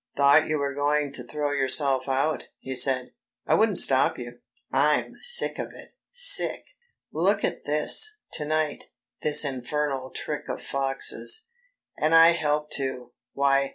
"Thought you were going to throw yourself out," he said; "I wouldn't stop you. I'm sick of it ... sick." "Look at this ... to night ... this infernal trick of Fox's.... And I helped too.... Why?...